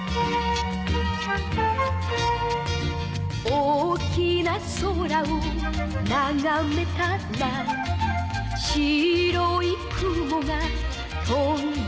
「大きな空をながめたら」「白い雲が飛んでいた」